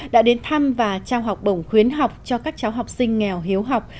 đã đến thăm và trao học bổng khuyến học cho các cháu học sinh nghèo hiếu học